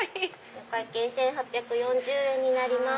お会計１８４０円になります。